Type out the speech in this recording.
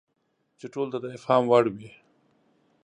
چې ټولو ته د افهام وړ وي.